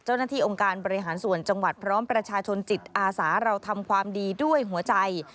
เจ้าหน้าที่องค์การบริหารส่วนจังหวัดพร้อมประชาชนจิตอาสาเราทำความดีด้วยหัวใจ